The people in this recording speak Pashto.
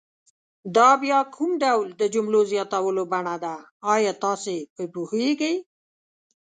دا بیا کوم ډول د جملو زیاتولو بڼه ده آیا تاسې په پوهیږئ؟